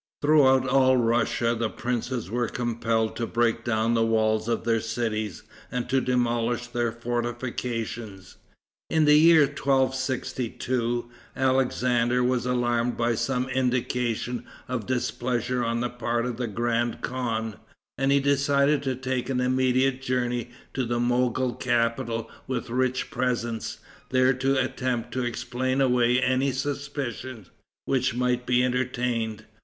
Throughout all Russia the princes were compelled to break down the walls of their cities and to demolish their fortifications. In the year 1262, Alexander was alarmed by some indications of displeasure on the part of the grand khan, and he decided to take an immediate journey to the Mogol capital with rich presents, there to attempt to explain away any suspicions which might be entertained.